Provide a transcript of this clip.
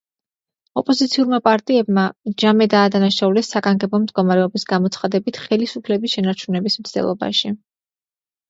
ოპოზიციურმა პარტიებმა ჯამე დაადანაშაულეს საგანგებო მდგომარეობის გამოცხადებით ხელისუფლების შენარჩუნების მცდელობაში.